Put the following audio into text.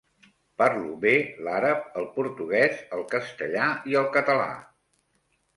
Parlo bé l'àrab, el portuguès, el castellà i el català.